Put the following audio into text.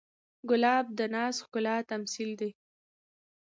ګلاب د ناز ښکلا تمثیل دی.